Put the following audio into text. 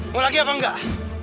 mau lagi apa enggak